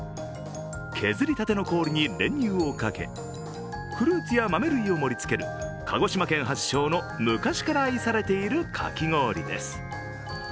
削り立ての氷に練乳をかけ、フルーツや豆類を盛りつける鹿児島県発祥の昔から愛されているかき氷です。